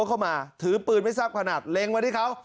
เข้ามาถือปืนไม่ทราบพนับเหม็นไปที่เขา